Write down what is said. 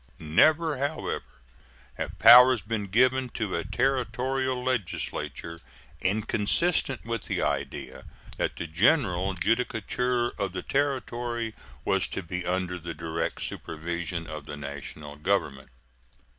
Never, however, have powers been given to a Territorial legislature inconsistent with the idea that the general judicature of the Territory was to be under the direct supervision of the National Government.